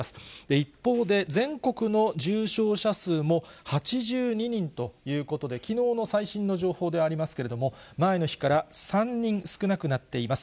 一方で、全国の重症者数も８２人ということで、きのうの最新の情報でありますけれども、前の日から３人少なくなっています。